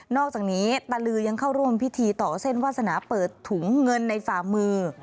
อกจากนี้ตะลือยังเข้าร่วมพิธีต่อเส้นวาสนาเปิดถุงเงินในฝ่ามือ